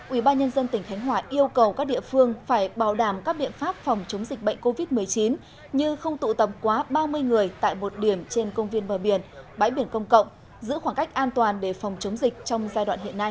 ubnd tỉnh khánh hòa yêu cầu các địa phương phải bảo đảm các biện pháp phòng chống dịch bệnh covid một mươi chín như không tụ tập quá ba mươi người tại một điểm trên công viên bờ biển bãi biển công cộng giữ khoảng cách an toàn để phòng chống dịch trong giai đoạn hiện nay